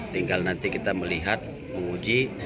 tinggal nanti kita melihat menguji